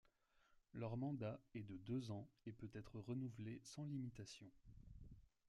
Leur mandat est de deux ans et peut être renouvelé sans limitation.